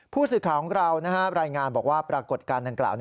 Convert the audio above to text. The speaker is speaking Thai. ผู้สื่อข่าวของเรารายงานบอกว่าปรากฏการณ์ดังกล่าว